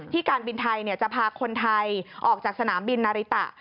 การบินไทยจะพาคนไทยออกจากสนามบินนาริตะ